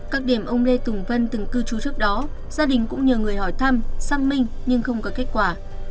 các điểm ông lê tùng vân từng cư trú trước đó gia đình cũng nhờ người hỏi thăm xác minh nhưng không có kết quả